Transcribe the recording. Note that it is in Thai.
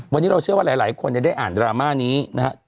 วันนี้เราเชื่อว่าหลายคนได้อ่านดราม่านี้นะครับ